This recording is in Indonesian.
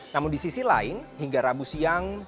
namun di sisi lain hingga rabu siang